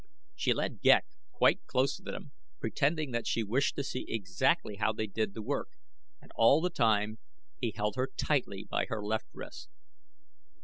She led Ghek quite close to them, pretending that she wished to see exactly how they did the work, and all the time he held her tightly by her left wrist.